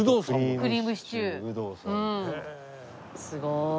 すごい。